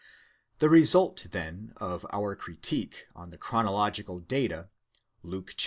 The result then of our critique on the chronological data Luke iii.